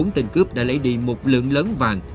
bốn tên cướp đã lấy đi một lượng lớn vàng